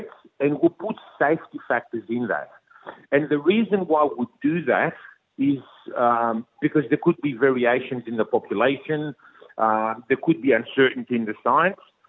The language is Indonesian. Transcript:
dan alasan kenapa kita melakukan itu adalah karena ada variasi di populasi ada kejauhan di sains